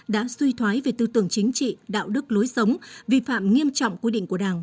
đã suy thoái về tư tưởng chính trị đạo đức lối sống vi phạm nghiêm trọng quy định của đảng